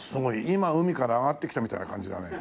今海から揚がってきたみたいな感じだね。